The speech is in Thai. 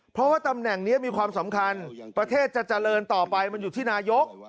เพราะว่าตำแหน่งนี้มีความสำคัญประเทศจะเจริญต่อไปมันอยู่ที่นายก